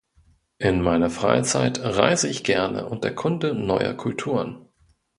In meiner Freizeit reise ich gerne und erkunde neue Kulturen.